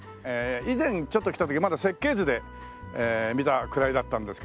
以前ちょっと来た時はまだ設計図で見たくらいだったんですけど。